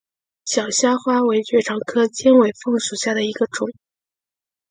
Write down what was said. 小虾花为爵床科尖尾凤属下的一个种。